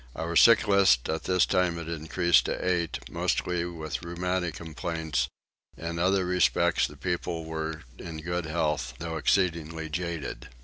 Our sicklist at this time had increased to eight, mostly with rheumatic complaints: in other respects the people were in good health, though exceedingly jaded.